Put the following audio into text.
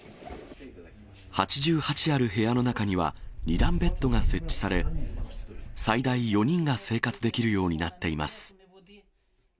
８８ある部屋の中には二段ベッドが設置され、最大４人が生活できるようになっています。